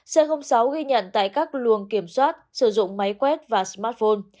c sáu ghi nhận tại các luồng kiểm soát sử dụng máy quét và smartphone